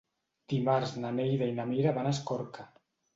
Dimarts na Neida i na Mira van a Escorca.